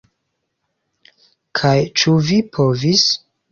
Kaj ĉu vi povis?